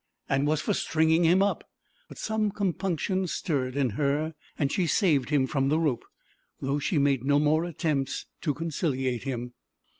and was for stringing him up. But some compunction stirred in her, and she saved him from the rope, though she made no more attempts to conciliate him.